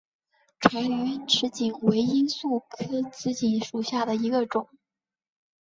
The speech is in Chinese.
察隅紫堇为罂粟科紫堇属下的一个种。